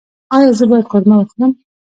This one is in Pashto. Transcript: ایا زه باید قورمه وخورم؟